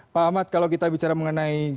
pak ahmad kalau kita bicara mengenai